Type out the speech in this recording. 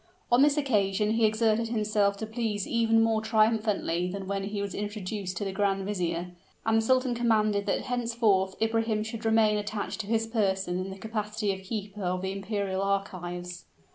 On this occasion he exerted himself to please even more triumphantly than when he was introduced to the grand vizier; and the sultan commanded that henceforth Ibrahim should remain attached to his person in the capacity of keeper of the imperial archives.